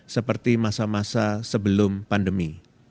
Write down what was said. seperti masa masa sebelum pandemi